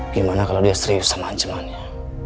gimana kalo dia serius sama ancemannya